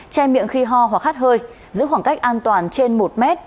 che miệng khi ho hoặc hát hơi giữ khoảng cách an toàn trên một mét